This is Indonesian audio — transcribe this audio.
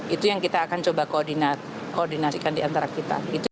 itu yang kita akan coba koordinasikan di antara kita